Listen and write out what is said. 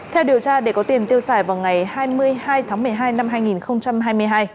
theo điều tra để có tiền tiêu xài vào ngày hai mươi hai tháng một mươi hai năm hai nghìn hai mươi hai